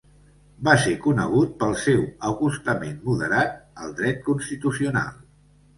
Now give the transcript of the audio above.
Va ser conegut pel seu acostament moderat al Dret constitucional.